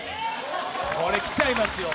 これ来ちゃいますよ。